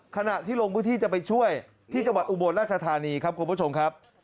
ขณะที่ลงพื้นที่จะไปช่วยที่จังหวัดอุบลราชธานีครับคุณผู้ชมครับ